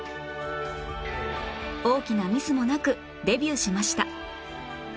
大きなミスもなくデビューしました